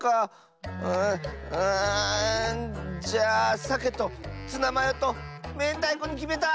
じゃあさけとツナマヨとめんたいこにきめた！